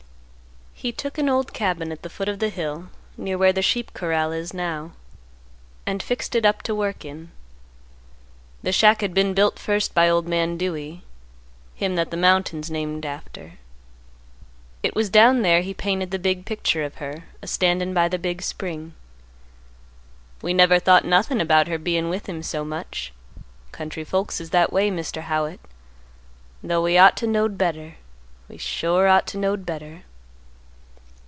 "He took an old cabin at the foot of the hill near where the sheep corral is now, and fixed it up to work in. The shack had been built first by old man Dewey, him that the mountain's named after. It was down there he painted the big picture of her a standin' by the big spring. We never thought nothin' about her bein' with him so much. Country folks is that way, Mr. Howitt, 'though we ought to knowed better; we sure ought to knowed better."